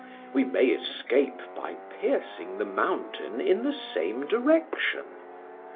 We may escape by piercing the mountain in the same direction.